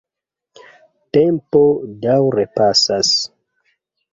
Tempo daŭre pasas.